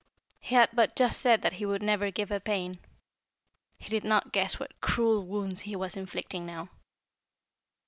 He had but just said that he would never give her pain. He did not guess what cruel wounds he was inflicting now.